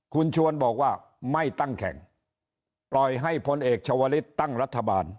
คุณชวนบอกว่าไม่ตั้งแข่งปล่อยให้พลเอกชาวลิศตั้งรัฐบาล